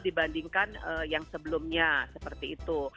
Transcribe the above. dibandingkan yang sebelumnya seperti itu